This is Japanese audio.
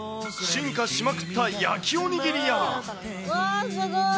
進化しまくった焼きおにぎりうわー、すごい。